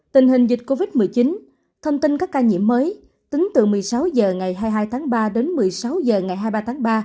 tình hình dịch covid một mươi chín thông tin các ca nhiễm mới tính từ một mươi sáu h ngày hai mươi hai tháng ba đến một mươi sáu h ngày hai mươi ba tháng ba